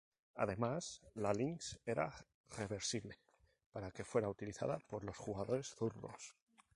Además, la Lynx era reversible, para que fuera utilizada por los jugadores zurdos.